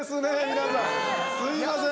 皆さん、すみません。